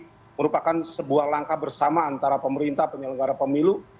jadi merupakan sebuah langkah bersama antara pemerintah penyelenggara pemilu